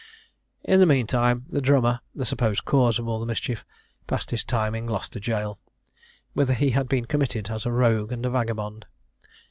In the mean time, the drummer, the supposed cause of all the mischief, passed his time in Gloucester gaol, whither he had been committed as a rogue and a vagabond.